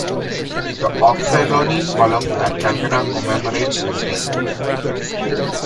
The Ochterlony column at Calcutta commemorates his name.